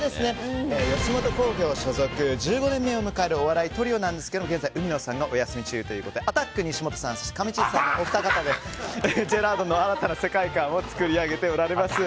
吉本興業所属１５年目を迎えるお笑いトリオですが現在、海野さんがお休みということでアタック西本、そしてかみちぃさんのお二人でジェラードンの新たな世界観を作り上げておられます。